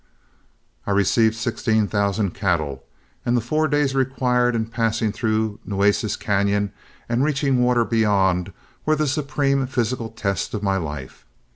I received sixteen thousand cattle, and the four days required in passing through Nueces Cañon and reaching water beyond were the supreme physical test of my life.